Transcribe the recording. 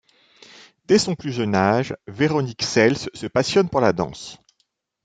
Dès son plus jeune âge, Véronique Sels se passionne pour la danse.